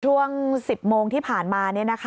ช่วง๑๐โมงที่ผ่านมา